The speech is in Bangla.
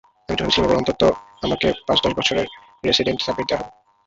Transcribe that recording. আমি তো ভেবেছিলাম এবার অন্তত আমাকে পাঁচ-দশ বছরের রেসিডেন্ট পারমিট দেওয়া হবে।